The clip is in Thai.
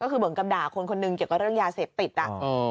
ก็คือเหมือนกับด่าคนคนหนึ่งเกี่ยวกับเรื่องยาเสพติดอ่ะ